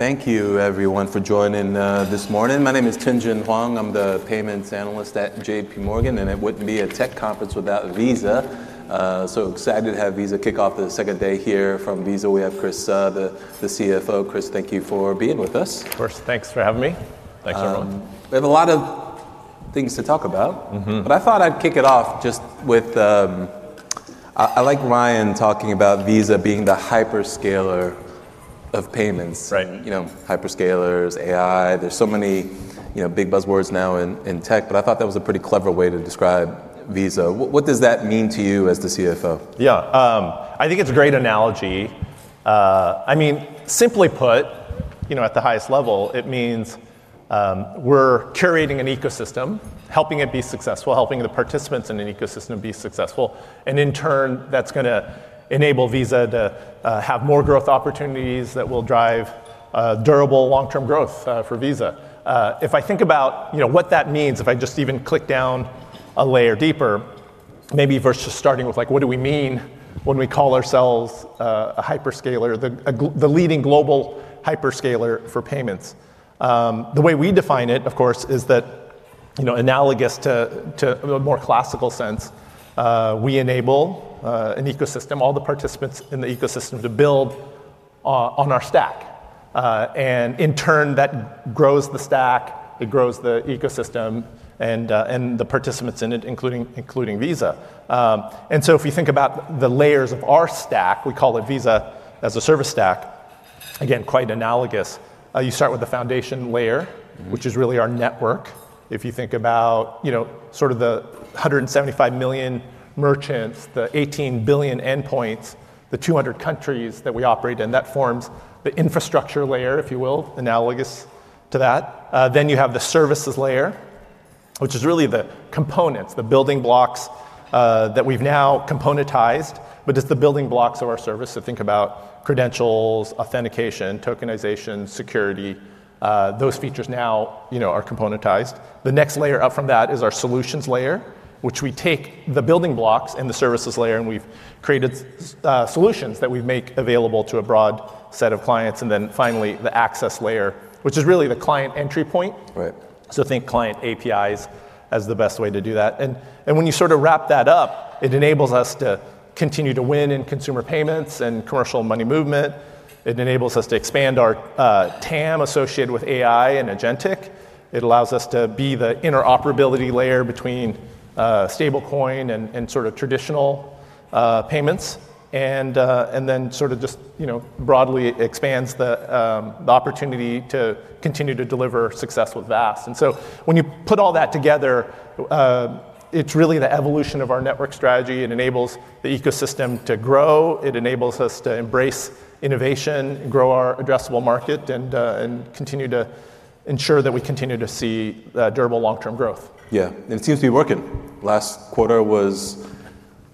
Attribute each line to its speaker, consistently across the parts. Speaker 1: Thank you everyone for joining this morning. My name is Tien-tsin Huang. I'm the payments analyst at JPMorgan, and it wouldn't be a tech conference without Visa. Excited to have Visa kick off the second day here. From Visa, we have Chris Suh, the CFO. Chris, thank you for being with us.
Speaker 2: Of course. Thanks for having me. Thanks everyone.
Speaker 1: We have a lot of things to talk about. I thought I'd kick it off just with, I liked Ryan talking about Visa being the hyperscaler of payments.
Speaker 2: Right.
Speaker 1: You know, hyperscalers, AI, there's so many, you know, big buzzwords now in tech. I thought that was a pretty clever way to describe Visa. What does that mean to you as the CFO?
Speaker 2: Yeah. I think it's a great analogy. I mean, simply put, you know, at the highest level it means, we're curating an ecosystem, helping it be successful, helping the participants in an ecosystem be successful, and in turn that's gonna enable Visa to have more growth opportunities that will drive durable longterm growth for Visa. If I think about, you know, what that means if I just even click down a layer deeper, maybe versus starting with, like, what do we mean when we call ourselves a hyperscaler, the leading global hyperscaler for payments? The way we define it, of course, is that, you know, analogous to a more classical sense, we enable an ecosystem, all the participants in the ecosystem to build on our stack. In turn that grows the stack, it grows the ecosystem and the participants in it including Visa. If you think about the layers of our stack, we call it Visa as a Service stack, again quite analogous. You start with the foundation layer. which is really our network. If you think about, you know, sort of the 175 million merchants, the 18 billion endpoints, the 200 countries that we operate in, that forms the infrastructure layer, if you will, analogous to that. You have the services layer, which is really the components, the building blocks that we've now componentized but is the building blocks of our service. Think about credentials, authentication, tokenization, security, those features now, you know, are componentized. The next layer up from that is our solutions layer, which we take the building blocks in the services layer and we've created solutions that we make available to a broad set of clients. Finally the access layer, which is really the client entry point.
Speaker 1: Right.
Speaker 2: Think client APIs as the best way to do that. When you wrap that up, it enables us to continue to win in consumer payments and commercial money movement. It enables us to expand our TAM associated with AI and agentic. It allows us to be the interoperability layer between stablecoin and traditional payments and, you know, broadly expands the opportunity to continue to deliver successful VAS. When you put all that together, it's really the evolution of our network strategy. It enables the ecosystem to grow. It enables us to embrace innovation, grow our addressable market, and continue to ensure that we continue to see the durable long-term growth.
Speaker 1: Yeah. It seems to be working. Last quarter was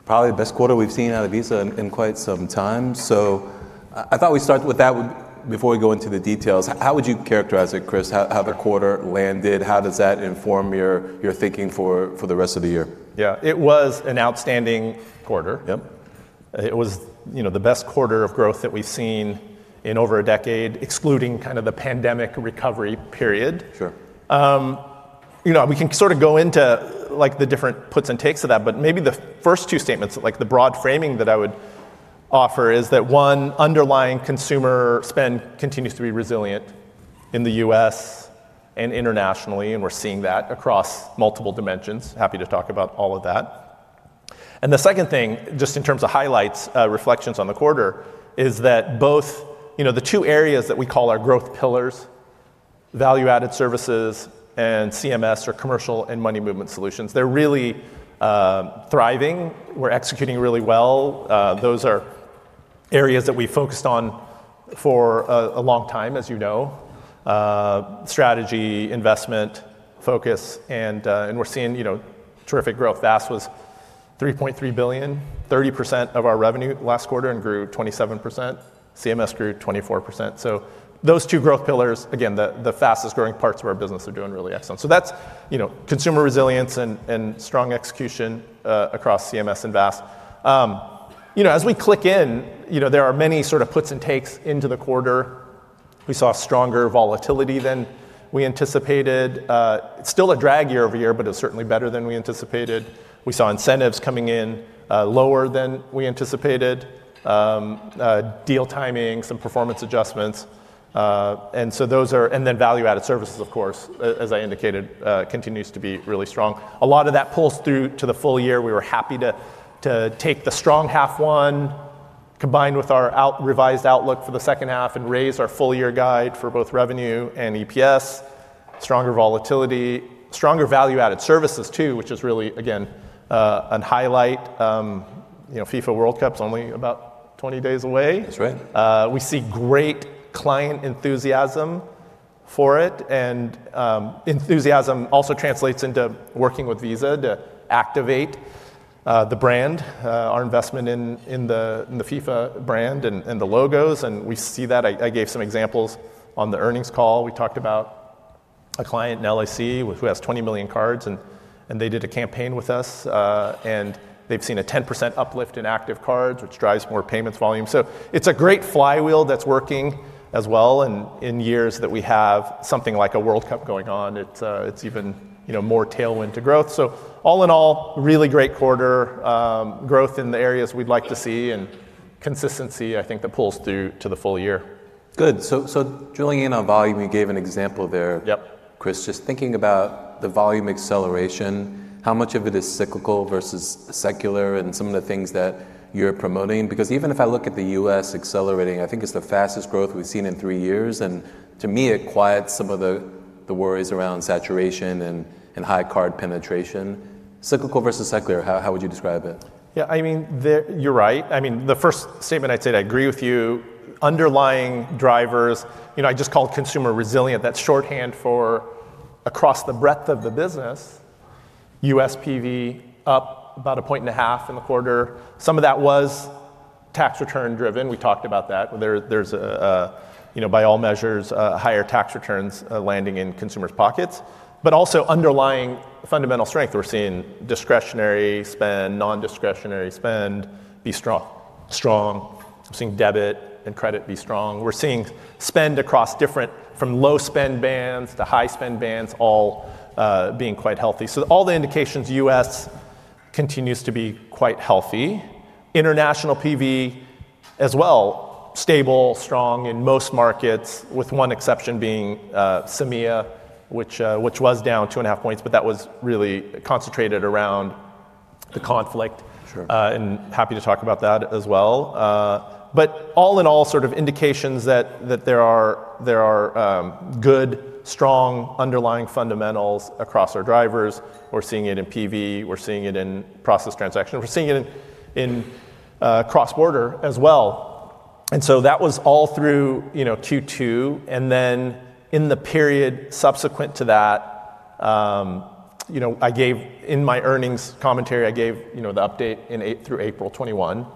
Speaker 1: probably the best quarter we've seen out of Visa in quite some time. I thought we'd start with that before we go into the details. How would you characterize it, Chris? How the quarter landed? How does that inform your thinking for the rest of the year?
Speaker 2: Yeah. It was an outstanding quarter.
Speaker 1: Yep.
Speaker 2: It was, you know, the best quarter of growth that we've seen in over a decade excluding kind of the pandemic recovery period.
Speaker 1: Sure.
Speaker 2: You know, we can sort of go into like the different puts and takes of that, but maybe the first two statements, like the broad framing that I would offer is that, one, underlying consumer spend continues to be resilient in the U.S. and internationally. We're seeing that across multiple dimensions. Happy to talk about all of that. The second thing, just in terms of highlights, reflections on the quarter, is that both, you know, the two areas that we call our growth pillars, value-added services and CMS or commercial and money movement solutions, they're really thriving. We're executing really well. Those are areas that we focused on for a long time, as you know. Strategy, investment, focus. We're seeing, you know, terrific growth. VAS was $3.3 billion, 30% of our revenue last quarter and grew 27%. CMS grew 24%. Those two growth pillars, again, the fastest growing parts of our business are doing really excellent. That's, you know, consumer resilience and strong execution across CMS and VAS. You know, as we click in, you know, there are many sort of puts and takes into the quarter. We saw stronger volatility than we anticipated. It's still a drag year-over-year, but it's certainly better than we anticipated. We saw incentives coming in lower than we anticipated. Deal timing, some performance adjustments. Value-added services of course, as I indicated, continues to be really strong. A lot of that pulls through to the full year. We were happy to take the strong half one combined with our revised outlook for the second half and raise our full-year guide for both revenue and EPS. Stronger volatility. Stronger value-added services too, which is really, again, an highlight. You know, FIFA World Cup's only about 20 days away.
Speaker 1: That's right.
Speaker 2: We see great client enthusiasm for it, enthusiasm also translates into working with Visa to activate the brand, our investment in the FIFA brand and the logos, and we see that. I gave some examples on the earnings call. A client in LAC with, who has 20 million cards and they did a campaign with us, and they've seen a 10% uplift in active cards, which drives more payments volume. It's a great flywheel that's working as well. In years that we have something like a World Cup going on, it's even, you know, more tailwind to growth. All in all, really great quarter, growth in the areas we'd like to see, and consistency, I think, that pulls through to the full year.
Speaker 1: Good. Drilling in on volume, you gave an example there.
Speaker 2: Yep.
Speaker 1: Chris. Just thinking about the volume acceleration, how much of it is cyclical versus secular and some of the things that you're promoting? Because even if I look at the U.S. accelerating, I think it's the fastest growth we've seen in three years, and to me it quiets some of the worries around saturation and high card penetration. Cyclical versus secular, how would you describe it?
Speaker 2: Yeah, I mean, you're right. I mean, the first statement I'd say I agree with you. Underlying drivers, you know, I just call consumer resilient. That's shorthand for across the breadth of the business, USPV up about 1.5 points in the quarter. Some of that was tax return driven. We talked about that. There, there's, you know, by all measures, higher tax returns landing in consumers' pockets, but also underlying fundamental strength. We're seeing discretionary spend, non-discretionary spend be strong. We're seeing debit and credit be strong. We're seeing spend across different, from low spend bands to high spend bands all being quite healthy. All the indications, U.S. continues to be quite healthy. International PV as well, stable, strong in most markets, with one exception being CEMEA, which was down two and a half points, but that was really concentrated around the conflict.
Speaker 1: Sure.
Speaker 2: Happy to talk about that as well. All in all, sort of indications that there are good, strong underlying fundamentals across our drivers. We're seeing it in PV. We're seeing it in processed transaction. We're seeing it in cross-border as well. That was all through, you know, Q2. In the period subsequent to that, you know, I gave in my earnings commentary, you know, the update through April 21.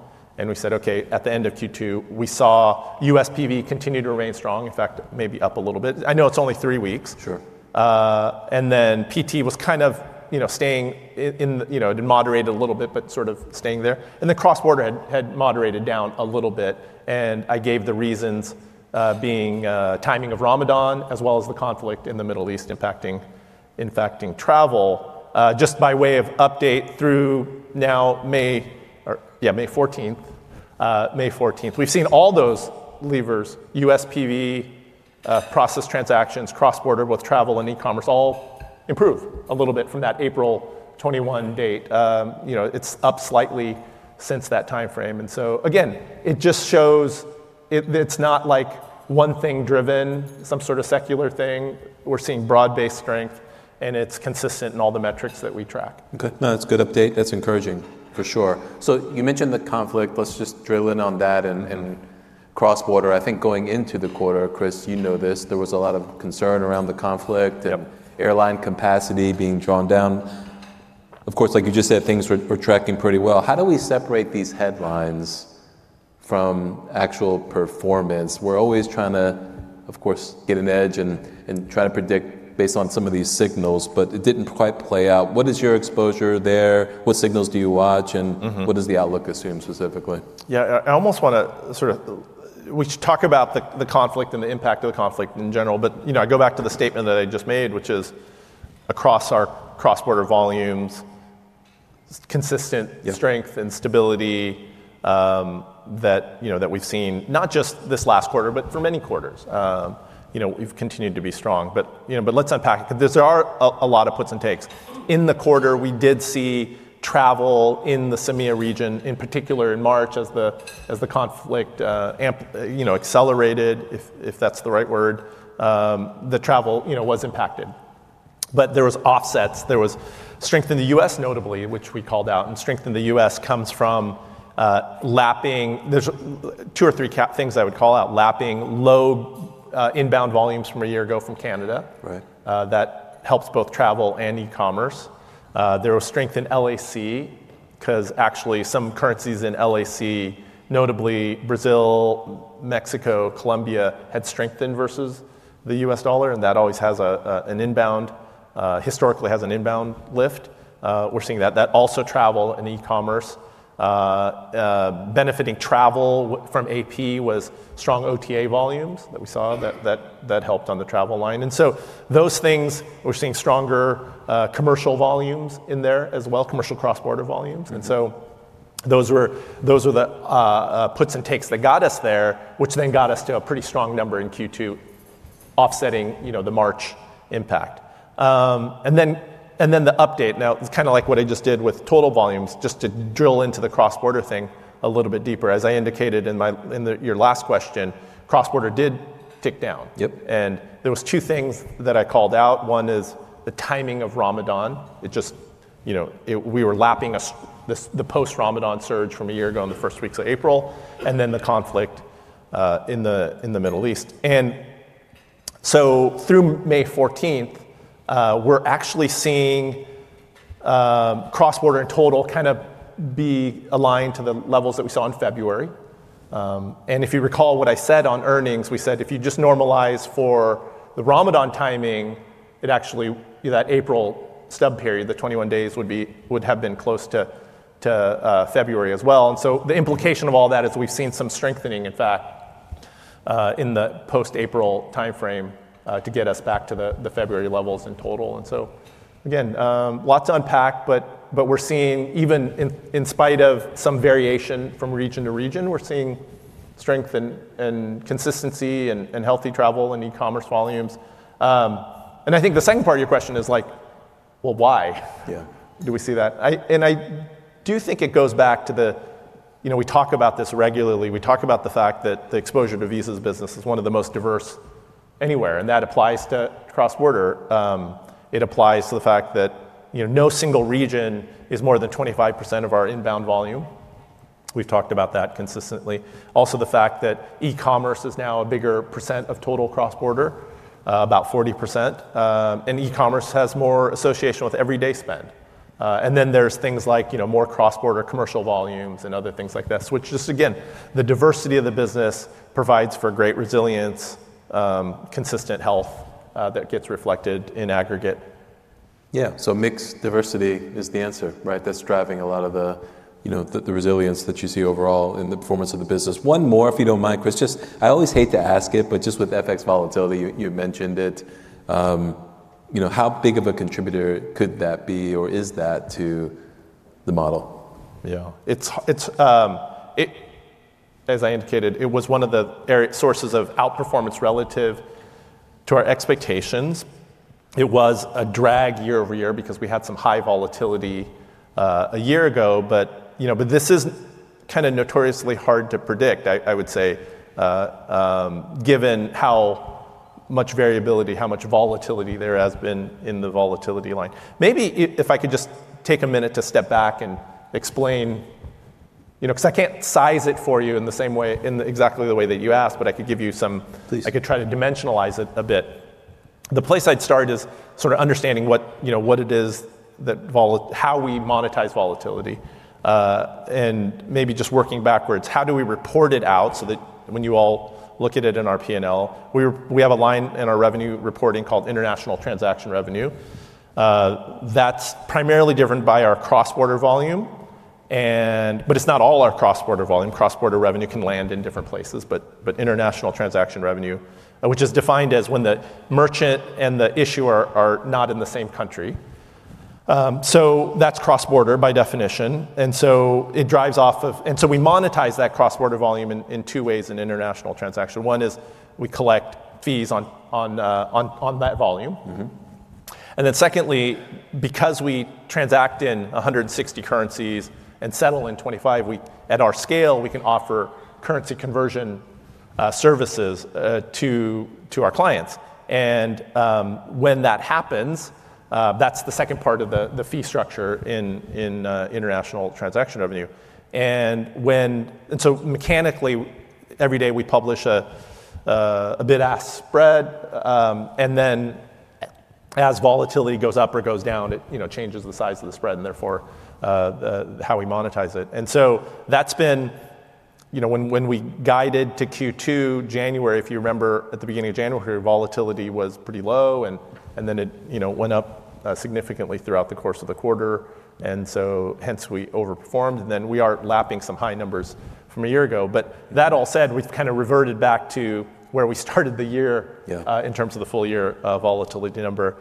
Speaker 2: We said, okay, at the end of Q2, we saw USPV continue to remain strong. In fact, maybe up a little bit. I know it's only three weeks.
Speaker 1: Sure.
Speaker 2: PT was, you know, staying in the, you know, it moderated a little bit, but sort of staying there. The cross-border had moderated down a little bit, and I gave the reasons, being timing of Ramadan as well as the conflict in the Middle East impacting travel. Just by way of update through now May 14th, we've seen all those levers, USPV, processed transactions, cross-border with travel and e-commerce, all improve a little bit from that April 21 date. You know, it's up slightly since that timeframe. Again, it just shows it's not like one thing driven, some sort of secular thing. We're seeing broad-based strength, and it's consistent in all the metrics that we track.
Speaker 1: Okay. No, that's a good update. That's encouraging, for sure. You mentioned the conflict. Let's just drill in on that and cross-border. I think going into the quarter, Chris, you know this, there was a lot of concern around the conflict. Airline capacity being drawn down. Of course, like you just said, things were tracking pretty well. How do we separate these headlines from actual performance? We're always trying to, of course, get an edge and try to predict based on some of these signals, but it didn't quite play out. What is your exposure there? What signals do you watch? What does the outlook assume specifically?
Speaker 2: Yeah, I almost wanna sort of we talk about the conflict and the impact of the conflict in general, but you know, I go back to the statement that I just made, which is across our cross-border volumes.
Speaker 1: Yeah.
Speaker 2: Consistent, strength, and stability, that, you know, that we've seen, not just this last quarter, but for many quarters. You know, we've continued to be strong. You know, but let's unpack it 'cause there's a lot of puts and takes. In the quarter, we did see travel in the CEMEA region, in particular in March as the conflict, you know, accelerated, if that's the right word, the travel, you know, was impacted. There was offsets. There was strength in the U.S. notably, which we called out. Strength in the U.S. comes from lapping. There's two or three things I would call out: lapping low inbound volumes from a year ago from Canada.
Speaker 1: Right.
Speaker 2: That helps both travel and e-commerce. There was strength in LAC 'cause actually some currencies in LAC, notably Brazil, Mexico, Colombia, had strengthened versus the U.S. dollar, and that always has an inbound, historically has an inbound lift. We're seeing that. That also travel and e-commerce. Benefiting travel from AP was strong OTA volumes that we saw that helped on the travel line. Those things, we're seeing stronger, commercial volumes in there as well, commercial cross-border volumes. Those were the puts and takes that got us there, which then got us to a pretty strong number in Q2 offsetting, you know, the March impact. The update. Now, it's kind of like what I just did with total volumes, just to drill into the cross-border thing a little bit deeper. As I indicated in your last question, cross-border did tick down.
Speaker 1: Yep.
Speaker 2: There were two things that I called out. One is the timing of Ramadan. We were lapping the post-Ramadan surge from a year ago in the first weeks of April, and then the conflict in the Middle East. Through May 14th, we're actually seeing cross-border in total kind of be aligned to the levels that we saw in February. If you recall what I said on earnings, we said if you just normalize for the Ramadan timing, it actually, that April stub period, the 21 days would have been close to February as well. The implication of all that is we've seen some strengthening, in fact, in the post-April timeframe, to get us back to the February levels in total. Again, lot to unpack, but we're seeing even in spite of some variation from region to region, we're seeing strength and consistency and healthy travel and e-commerce volumes. I think the second part of your question is. Why? Do we see that? I do think it goes back to the, you know, we talk about this regularly. We talk about the fact that the exposure to Visa's business is one of the most diverse anywhere, and that applies to cross-border. It applies to the fact that, you know, no single region is more than 25% of our inbound volume. We've talked about that consistently. Also, the fact that e-commerce is now a bigger percent of total cross-border, about 40%. E-commerce has more association with everyday spend. There's things like, you know, more cross-border commercial volumes and other things like that. Which just again, the diversity of the business provides for great resilience, consistent health, that gets reflected in aggregate.
Speaker 1: Yeah. Mix diversity is the answer, right? That's driving a lot of the, you know, the resilience that you see overall in the performance of the business. One more, if you don't mind, Chris. I always hate to ask it, but just with FX volatility, you mentioned it. You know, how big of a contributor could that be or is that to the model?
Speaker 2: Yeah. It's, as I indicated, it was one of the sources of outperformance relative to our expectations. It was a drag year-over-year because we had some high volatility a year ago. You know, but this is kinda notoriously hard to predict, I would say, given how much variability, how much volatility there has been in the volatility line. Maybe if I could just take a minute to step back and explain, you know, 'cause I can't size it for you in the same way, in exactly the way that you asked, but I could give you some.
Speaker 1: Please.
Speaker 2: I could try to dimensionalize it a bit. The place I'd start is sorta understanding what, you know, what it is that how we monetize volatility. Maybe just working backwards, how do we report it out so that when you all look at it in our P&L, we have a line in our revenue reporting called international transaction revenue. That's primarily driven by our cross-border volume. It's not all our cross-border volume. Cross-border revenue can land in different places. International transaction revenue, which is defined as when the merchant and the issuer are not in the same country. So that's cross-border by definition, and so it drives off of. We monetize that cross-border volume in two ways in international transaction. One is we collect fees on that volume. Secondly, because we transact in 160 currencies and settle in 25, we, at our scale, we can offer currency conversion services to our clients. When that happens, that's the second part of the fee structure in international transaction revenue. Mechanically, every day we publish a bid-ask spread, and then as volatility goes up or goes down, it, you know, changes the size of the spread and therefore the how we monetize it. That's been, you know, when we guided to Q2, January, if you remember at the beginning of January, volatility was pretty low and then it, you know, went up significantly throughout the course of the quarter. Hence we overperformed, and then we are lapping some high numbers from a year ago. That all said, we've kinda reverted back to where we started the year.
Speaker 1: Yeah.
Speaker 2: In terms of the full year of volatility number.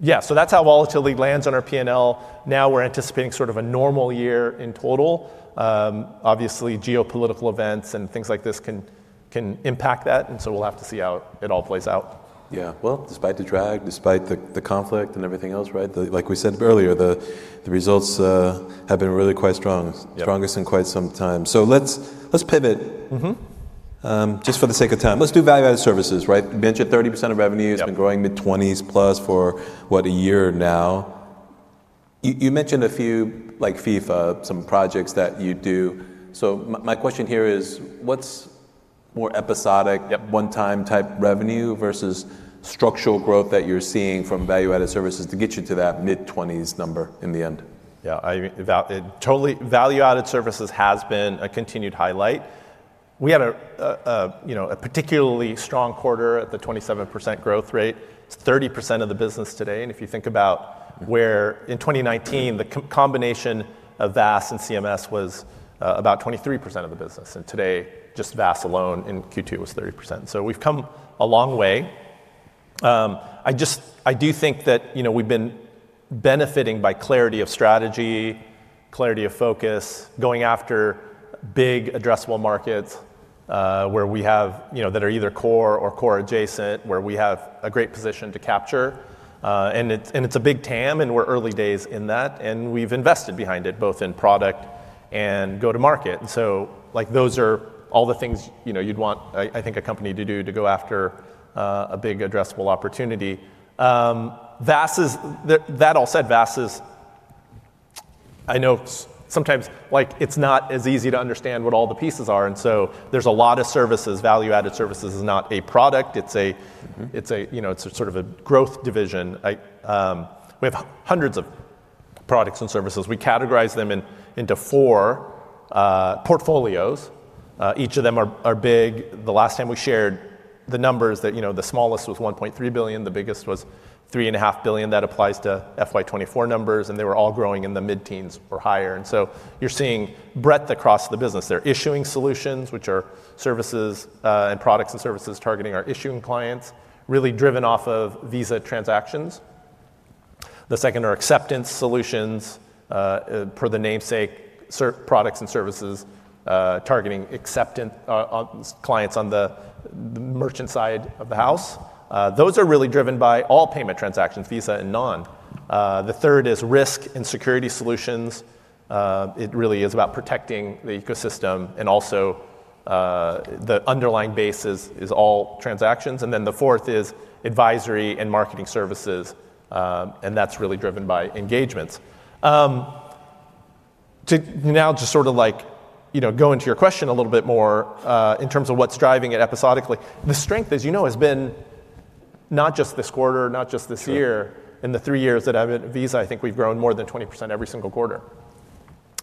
Speaker 2: Yeah. That's how volatility lands on our P&L. We're anticipating sort of a normal year in total. Obviously geopolitical events and things like this can impact that, and so we'll have to see how it all plays out.
Speaker 1: Yeah. Well, despite the drag, despite the conflict and everything else, right, like we said earlier, the results have been really quite strong.
Speaker 2: Yeah.
Speaker 1: Strongest in quite some time. Let's pivot. Just for the sake of time. Let's do value-added services, right? You mentioned 30% of revenue has been growing mid-twenties plus for what, a year now. You mentioned a few, like FIFA, some projects that you do. My question here is what's more episodic?
Speaker 2: Yep.
Speaker 1: One-time type revenue versus structural growth that you're seeing from value-added services to get you to that mid-twenties number in the end?
Speaker 2: Yeah. I mean, Totally, value-added services has been a continued highlight. We had a, you know, a particularly strong quarter at the 27% growth rate. It's 30% of the business today. If you think about where in 2019 the combination of VAS and CMS was about 23% of the business, and today just VAS alone in Q2 was 30%. We've come a long way. I just, I do think that, you know, we've been benefiting by clarity of strategy, clarity of focus, going after big addressable markets, where we have, you know, that are either core or core adjacent, where we have a great position to capture. It's a big TAM, and we're early days in that, and we've invested behind it both in product and go to market. Like, those are all the things, you know, you'd want, I think a company to do to go after a big addressable opportunity. That all said, VAS is, I know sometimes, like, it's not as easy to understand what all the pieces are, and so there's a lot of services. Value-added services is not a product. It's a, you know, it's a sort of a growth division. I, we have hundreds of products and services. We categorize them into four portfolios. Each of them are big. The last time we shared the numbers that, you know, the smallest was $1.3 billion, the biggest was $3.5 billion. That applies to FY 2024 numbers, they were all growing in the mid-teens or higher. You're seeing breadth across the business. There are issuing solutions, which are services and products and services targeting our issuing clients, really driven off of Visa transactions. The second are acceptance solutions, per the namesake, products and services targeting acceptance clients on the merchant side of the house. Those are really driven by all payment transactions, Visa and non. The third is risk and security solutions. It really is about protecting the ecosystem and also, the underlying base is all transactions. The fourth is advisory and marketing services, that's really driven by engagements. To now to sort of like, you know, go into your question a little bit more, in terms of what's driving it episodically. The strength, as you know, has been not just this quarter, not just this year.
Speaker 1: Sure.
Speaker 2: In the three years that I've been at Visa, I think we've grown more than 20% every single quarter.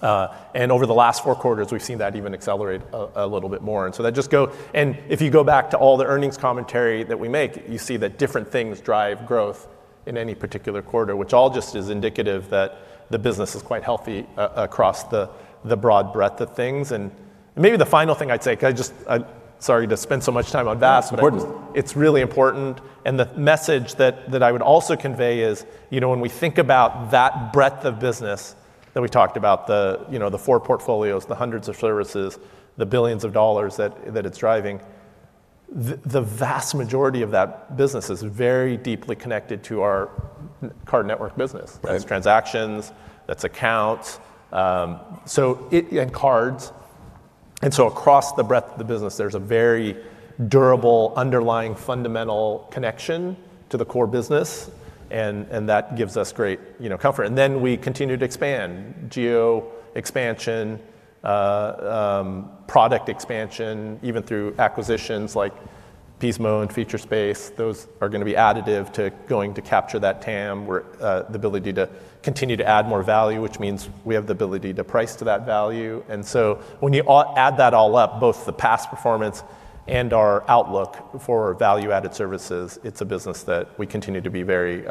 Speaker 2: Over the last four quarters, we've seen that even accelerate a little bit more. If you go back to all the earnings commentary that we make, you see that different things drive growth in any particular quarter, which all just is indicative that the business is quite healthy across the broad breadth of things. Maybe the final thing I'd say.
Speaker 1: No, it's important.
Speaker 2: It's really important. The message that I would also convey is, you know, when we think about that breadth of business that we talked about, you know, the four portfolios, the hundreds of services, the billions of dollars that it's driving, the vast majority of that business is very deeply connected to our card network business.
Speaker 1: Right.
Speaker 2: That's transactions, that's accounts, and cards. Across the breadth of the business, there's a very durable underlying fundamental connection to the core business, and that gives us great, you know, comfort. We continue to expand, geo expansion, product expansion, even through acquisitions like Pismo and Featurespace. Those are gonna be additive to going to capture that TAM, where the ability to continue to add more value, which means we have the ability to price to that value. When you add that all up, both the past performance and our outlook for value-added services, it's a business that we continue to be very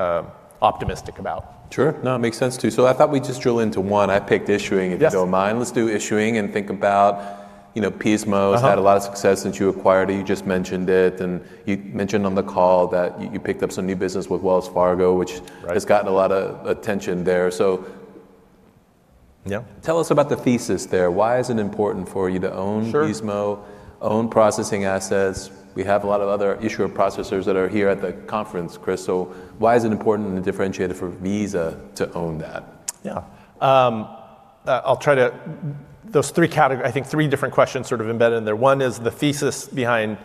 Speaker 2: optimistic about.
Speaker 1: Sure. No, it makes sense, too. I thought we'd just drill into one. I picked.
Speaker 2: Yes.
Speaker 1: If you don't mind. Let's do issuing and think about, you know, Pismo has had a lot of success since you acquired it. You just mentioned it, and you mentioned on the call that you picked up some new business with Wells Fargo has gotten a lot of attention there.
Speaker 2: Yeah.
Speaker 1: Tell us about the thesis there. Why is it important for you to own Pismo, own processing assets? We have a lot of other issuer processors that are here at the conference, Chris. Why is it important and a differentiator for Visa to own that?
Speaker 2: I think three different questions sort of embedded in there. One is the thesis behind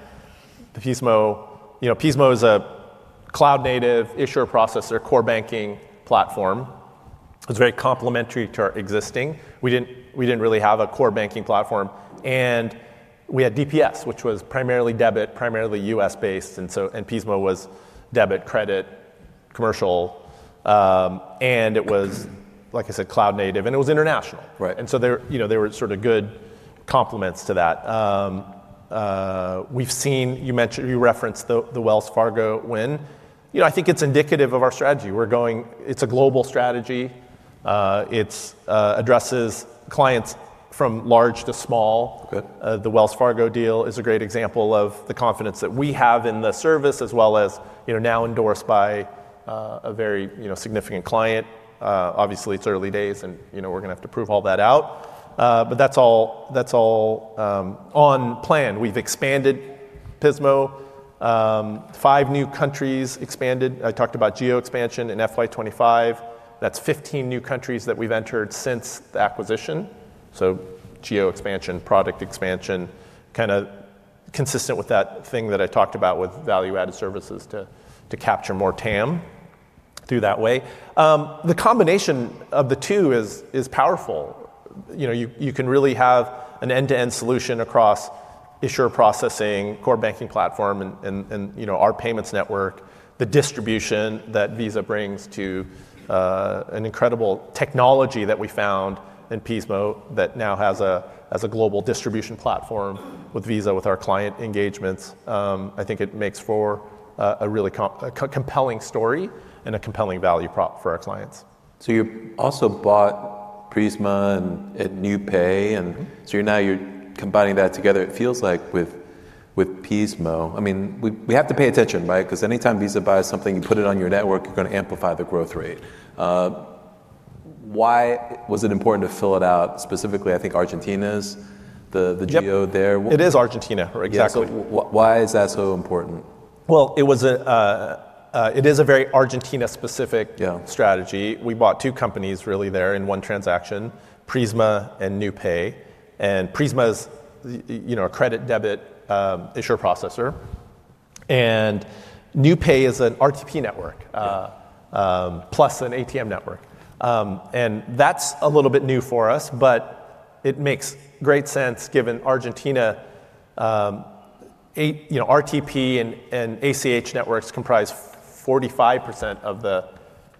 Speaker 2: the Pismo. You know, Pismo is a cloud-native issuer processor, core banking platform. It's very complementary to our existing. We didn't really have a core banking platform, We had DPS, which was primarily debit, primarily U.S.-based, Pismo was debit, credit, commercial, It was, like I said, cloud native, and it was international.
Speaker 1: Right.
Speaker 2: They're, you know, they were sort of good complements to that. We've seen, you mentioned, you referenced the Wells Fargo win. You know, I think it's indicative of our strategy. It's a global strategy. It addresses clients from large to small.
Speaker 1: Good.
Speaker 2: The Wells Fargo deal is a great example of the confidence that we have in the service as well as, you know, now endorsed by a very, you know, significant client. Obviously, it's early days and, you know, we're gonna have to prove all that out. That's all on plan. We've expanded Pismo, 5 new countries expanded. I talked about geo expansion in FY 2025. That's 15 new countries that we've entered since the acquisition. Geo expansion, product expansion, kinda consistent with that thing that I talked about with value-added services to capture more TAM through that way. The combination of the two is powerful. You know, you can really have an end-to-end solution across issuer processing, core banking platform, and, you know, our payments network, the distribution that Visa brings to an incredible technology that we found in Pismo that now has a global distribution platform with Visa, with our client engagements. I think it makes for a really compelling story and a compelling value prop for our clients.
Speaker 1: You also bought Prisma and Newpay. Now you're combining that together, it feels like, with Pismo. I mean, we have to pay attention, right? 'Cause anytime Visa buys something, you put it on your network, you're gonna amplify the growth rate. Why was it important to fill it out, specifically, I think Argentina's, the geo there?
Speaker 2: Yep. It is Argentina. Exactly.
Speaker 1: Yeah. Why is that so important?
Speaker 2: Well, it is a very Argentina-specific strategy. We bought two companies really there in one transaction, Prisma and Newpay. Prisma is you know, a credit, debit, issuer processor. Newpay is an RTP network.
Speaker 1: Yeah.
Speaker 2: Plus an ATM network. That's a little bit new for us, but it makes great sense given Argentina, you know, RTP and ACH networks comprise 45% of the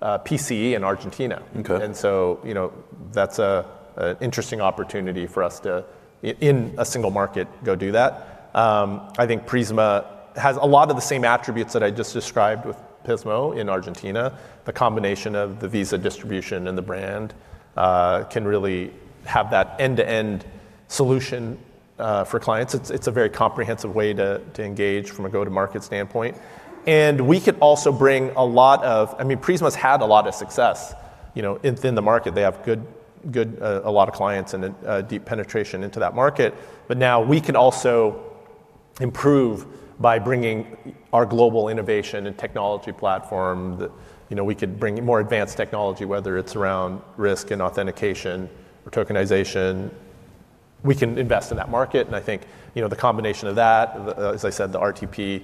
Speaker 2: PCE in Argentina.
Speaker 1: Okay.
Speaker 2: You know, that's a, an interesting opportunity for us to in a single market go do that. I think Prisma has a lot of the same attributes that I just described with Pismo in Argentina. The combination of the Visa distribution and the brand can really have that end-to-end solution for clients. It's a very comprehensive way to engage from a go-to-market standpoint. We could also bring a lot of I mean, Prisma's had a lot of success, you know, within the market. They have good a lot of clients and a deep penetration into that market. Now we can also improve by bringing our global innovation and technology platform that, you know, we could bring in more advanced technology, whether it's around risk and authentication or tokenization. We can invest in that market, I think, you know, the combination of that, the, as I said, the RTP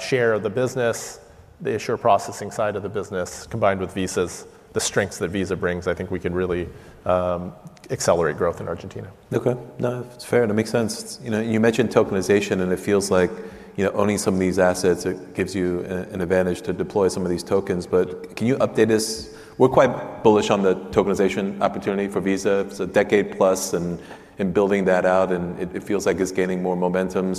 Speaker 2: share of the business, the issuer processing side of the business, combined with Visa's, the strengths that Visa brings, I think we can really accelerate growth in Argentina.
Speaker 1: Okay. No, it's fair, and it makes sense. You know, you mentioned tokenization, and it feels like, you know, owning some of these assets gives you an advantage to deploy some of these tokens, but can you update us? We're quite bullish on the tokenization opportunity for Visa. It's a decade plus and building that out, and it feels like it's gaining more momentum.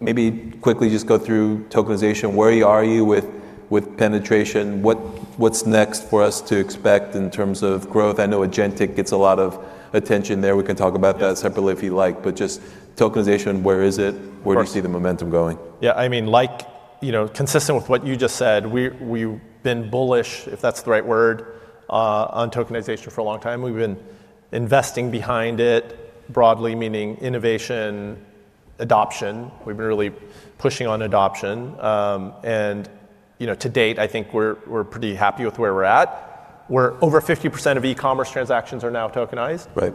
Speaker 1: Maybe quickly just go through tokenization. Where are you with penetration? What's next for us to expect in terms of growth? I know agentic gets a lot of attention there. We can talk about that separately if you like, but just tokenization, where is it?
Speaker 2: Of course.
Speaker 1: Where do you see the momentum going?
Speaker 2: I mean, like, you know, consistent with what you just said, we've been bullish, if that's the right word, on tokenization for a long time. We've been investing behind it broadly, meaning innovation, adoption. We've been really pushing on adoption. You know, to date, I think we're pretty happy with where we're at, where over 50% of e-commerce transactions are now tokenized.
Speaker 1: Right.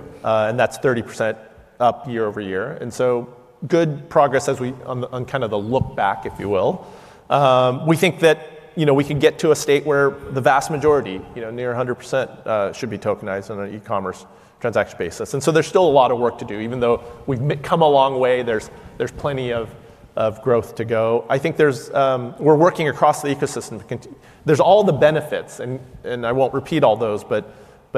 Speaker 2: That's 30% up year-over-year. Good progress as we on kind of the look back, if you will. We think that, you know, we can get to a state where the vast majority, you know, near 100%, should be tokenized on an e-commerce transaction basis. There's still a lot of work to do. Even though we've come a long way, there's plenty of growth to go. I think there's. We're working across the ecosystem. There's all the benefits and I won't repeat all those, but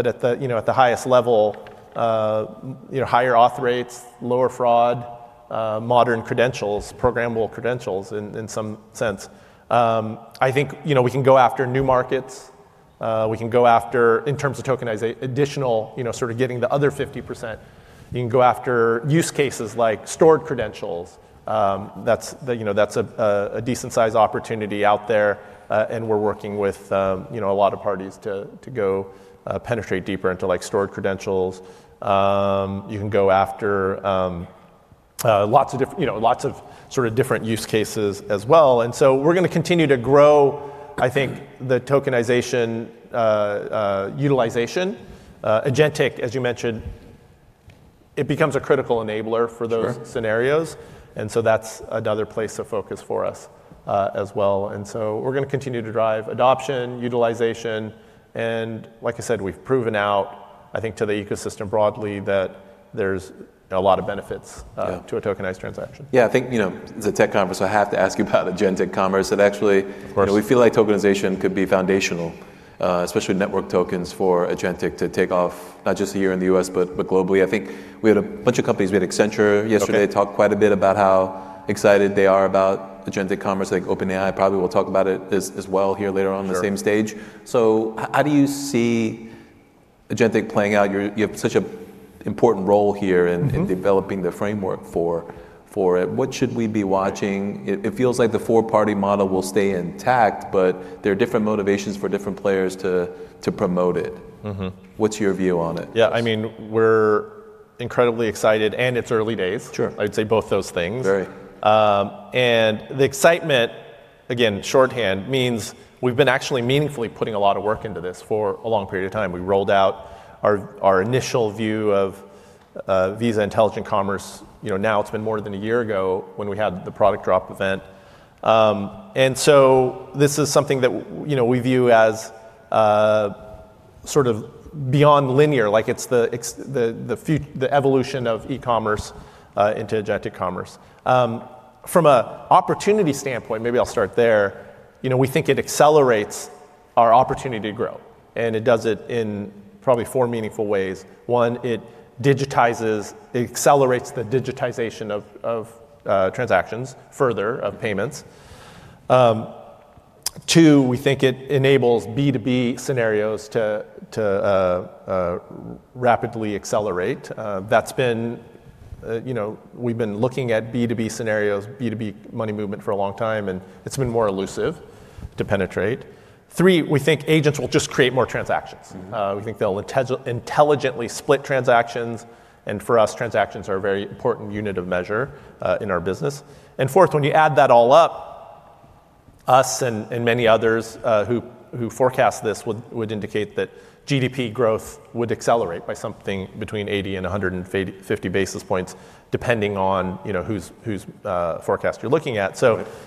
Speaker 2: at the, you know, at the highest level, you know, higher auth rates, lower fraud, modern credentials, programmable credentials in some sense. I think, you know, we can go after new markets. We can go after, in terms of tokenization, additional, you know, sort of getting the other 50%. We can go after use cases like stored credentials. That's, you know, that's a decent size opportunity out there, and we're working with, you know, a lot of parties to go penetrate deeper into like stored credentials. You can go after lots of different, you know, lots of sort of different use cases as well. We're gonna continue to grow, I think, the tokenization utilization. Agentic, as you mentioned, it becomes a critical enabler for those scenarios, and so that's another place of focus for us, as well. We're gonna continue to drive adoption, utilization, and like I said, we've proven out, I think, to the ecosystem broadly that there's a lot of benefits to a tokenized transaction.
Speaker 1: Yeah, I think, you know, it is a tech conference, I have to ask you about agentic commerce.
Speaker 2: Of course.
Speaker 1: You know, we feel like tokenization could be foundational, especially network tokens for agentic to take off, not just here in the U.S., but globally. I think we had a bunch of companies. We had Accenture yesterday.
Speaker 2: Okay.
Speaker 1: Talk quite a bit about how excited they are about agentic commerce, like OpenAI probably will talk about it as well here later on the same stage. How do you see agentic playing out? You have such a important role here in developing the framework for it. What should we be watching? It feels like the four-party model will stay intact, but there are different motivations for different players to promote it. What's your view on it?
Speaker 2: Yeah, I mean, we're incredibly excited, and it's early days.
Speaker 1: Sure.
Speaker 2: I'd say both those things.
Speaker 1: Very.
Speaker 2: The excitement, again, shorthand, means we've been actually meaningfully putting a lot of work into this for a long period of time. We rolled out our initial view of Visa Intelligent Commerce. You know, now it's been more than a year ago when we had the product drop event. This is something that, you know, we view as sort of beyond linear, like it's the evolution of e-commerce into agentic commerce. From a opportunity standpoint, maybe I'll start there, you know, we think it accelerates our opportunity to grow, and it does it in probably four meaningful ways. One, it digitizes, it accelerates the digitization of transactions further of payments. Two, we think it enables B2B scenarios to rapidly accelerate. That's been, you know, we've been looking at B2B scenarios, B2B money movement for a long time, and it's been more elusive to penetrate. Three, we think agents will just create more transactions. We think they'll intelligently split transactions. For us, transactions are a very important unit of measure in our business. Fourth, when you add that all up, us and many others who forecast this would indicate that GDP growth would accelerate by something between 80 and 150 basis points depending on, you know, whose forecast you're looking at.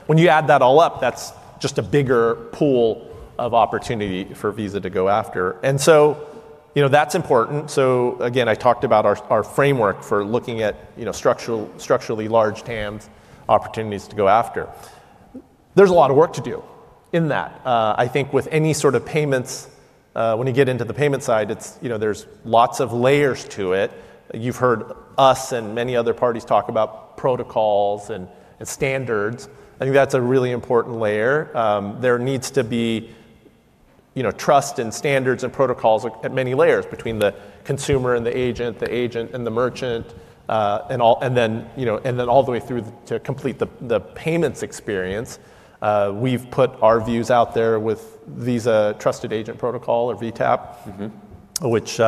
Speaker 2: When you add that all up, that's just a bigger pool of opportunity for Visa to go after. You know, that's important. Again, I talked about our framework for looking at, you know, structurally large TAMs opportunities to go after. There's a lot of work to do in that. I think with any sort of payments, when you get into the payment side, it's, you know, there's lots of layers to it. You've heard us and many other parties talk about protocols and standards. I think that's a really important layer. There needs to be, you know, trust and standards and protocols at many layers between the consumer and the agent, the agent and the merchant, and then all the way through to complete the payments experience. We've put our views out there with Visa Trusted Agent Protocol or VTAP. Which,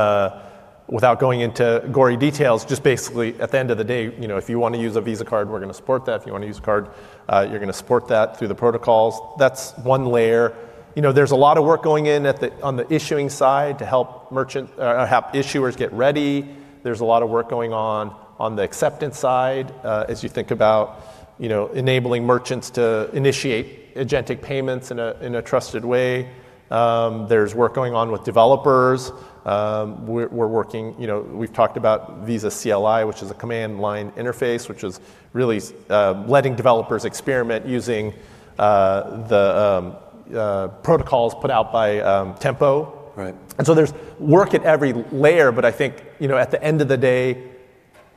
Speaker 2: without going into gory details, just basically at the end of the day, you know, if you want to use a Visa card, we're gonna support that. If you wanna use card, you're gonna support that through the protocols. That's one layer. You know, there's a lot of work going in on the issuing side to help merchant, help issuers get ready. There's a lot of work going on on the acceptance side, as you think about, you know, enabling merchants to initiate agentic payments in a trusted way. There's work going on with developers. We're working, you know, we've talked about Visa CLI, which is a command line interface, which is really letting developers experiment using the protocols put out by Tempo.
Speaker 1: Right.
Speaker 2: There's work at every layer, but I think, you know, at the end of the day,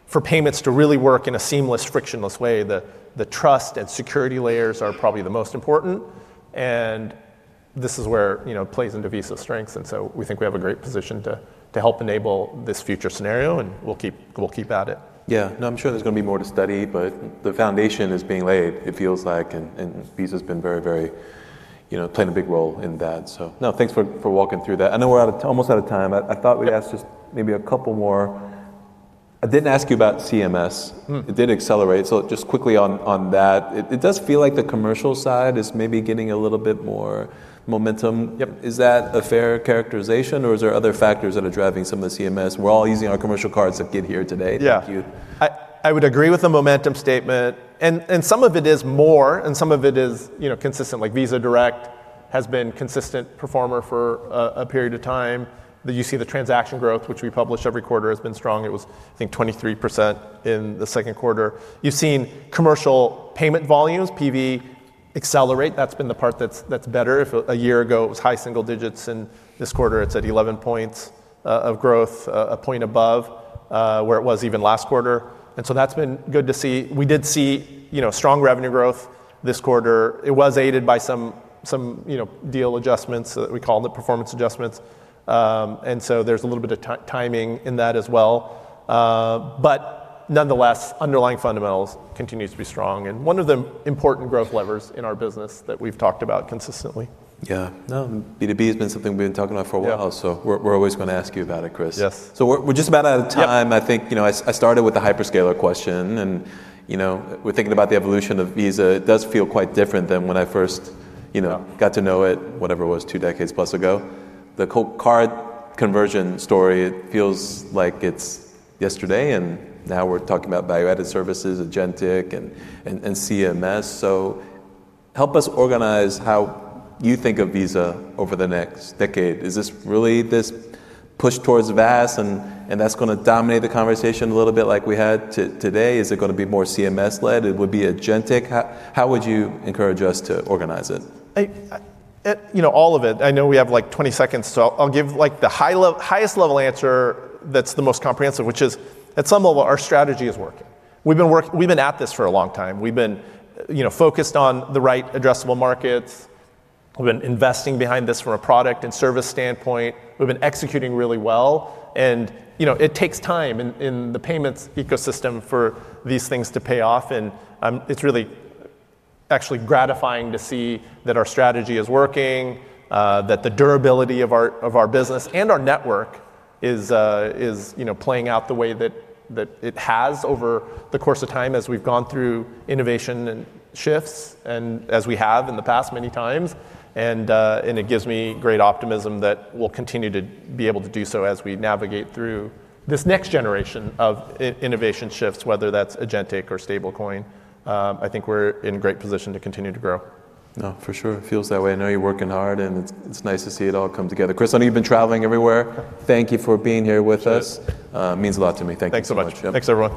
Speaker 2: for payments to really work in a seamless, frictionless way, the trust and security layers are probably the most important. This is where, you know, plays into Visa's strengths. We think we have a great position to help enable this future scenario, and we'll keep at it.
Speaker 1: No, I'm sure there's gonna be more to study, but the foundation is being laid, it feels like, and Visa's been very, you know, playing a big role in that. No, thanks for walking through that. I know we're almost out of time. I thought we'd ask just maybe a couple more. I didn't ask you about CMS. It did accelerate. Just quickly on that. It does feel like the commercial side is maybe getting a little bit more momentum.
Speaker 2: Yep.
Speaker 1: Is that a fair characterization or is there other factors that are driving some of the CMS? We're all using our commercial cards to get here today.
Speaker 2: Yeah.
Speaker 1: Thank you.
Speaker 2: I would agree with the momentum statement, some of it is more, and some of it is, you know, consistent. Like Visa Direct has been consistent performer for a period of time, that you see the transaction growth, which we publish every quarter has been strong. It was, I think, 23% in the second quarter. You've seen commercial payment volumes, PV accelerate. That's been the part that's better. If a year ago it was high single digits, this quarter it's at 11 points of growth, a point above where it was even last quarter. That's been good to see. We did see, you know, strong revenue growth this quarter. It was aided by some, you know, deal adjustments that we call the performance adjustments. There's a little bit of timing in that as well. Nonetheless, underlying fundamentals continues to be strong and one of the important growth levers in our business that we've talked about consistently.
Speaker 1: Yeah. No, B2B has been something we've been talking about for a while.
Speaker 2: Yeah.
Speaker 1: We're always gonna ask you about it, Chris.
Speaker 2: Yes.
Speaker 1: We're just about out of time.
Speaker 2: Yep.
Speaker 1: I think, you know, I started with the hyperscaler question and, you know, we're thinking about the evolution of Visa. It does feel quite different than when I first, you know, got to know it, whatever it was, two decades plus ago. The co- card conversion story, it feels like it's yesterday, and now we're talking about value-added services, agentic and, and CMS. Help us organize how you think of Visa over the next decade. Is this really this push towards VAS and that's gonna dominate the conversation a little bit like we had today? Is it gonna be more CMS-led? It would be agentic? How would you encourage us to organize it?
Speaker 2: I, you know, all of it. I know we have like 20 seconds, so I'll give like the highest level answer that's the most comprehensive, which is at some level our strategy is working. We've been at this for a long time. We've been, you know, focused on the right addressable markets. We've been investing behind this from a product and service standpoint. We've been executing really well and, you know, it takes time in the payments ecosystem for these things to pay off. It's really actually gratifying to see that our strategy is working, that the durability of our, of our business and our network is, you know, playing out the way that it has over the course of time as we've gone through innovation and shifts and as we have in the past many times. It gives me great optimism that we'll continue to be able to do so as we navigate through this next generation of innovation shifts, whether that's agentic or stablecoin. I think we're in great position to continue to grow.
Speaker 1: No, for sure. It feels that way. I know you're working hard, and it's nice to see it all come together. Chris, I know you've been traveling everywhere. Thank you for being here with us.
Speaker 2: Yes.
Speaker 1: Means a lot to me. Thank you so much.
Speaker 2: Thanks so much. Thanks, everyone.